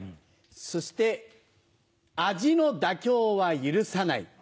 そして味の妥協は許さない。